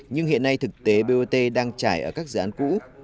nhưng hiện nay thực tế bot đang trải ở các dự án cũ